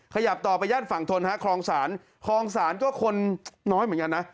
ขยับต่อไปย่านฝั่งทนคลองศาลก็คนน้อยเหมือนกันน่ะ